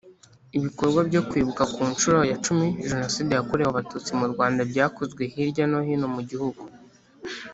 Ibikorwa byo kwibuka ku nshuro ya cumi Jenoside yakorewe Abatutsi mu Rwanda byakozwe hirya no hino mu gihugu